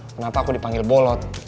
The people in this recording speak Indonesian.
kenapa aku dipanggil bolot